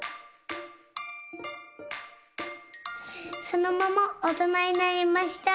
そのままおとなになりました。